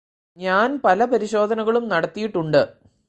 ഞാന് പല പരിശോധനകളും നടത്തിയിട്ടുണ്ട്